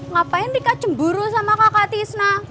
ngapain dikasih cemburu sama kakak tisna